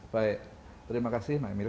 baik terima kasih mbak emil